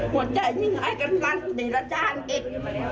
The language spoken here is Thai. หัวใจยังไงกับนั้นสิละจ้างกิด